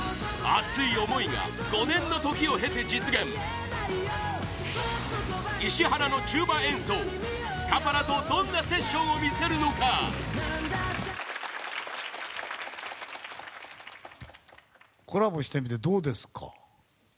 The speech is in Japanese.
熱い思いが５年の時を経て実現石原のチューバ演奏スカパラとどんなセッションを見せるのかコラボしてみてどうですか？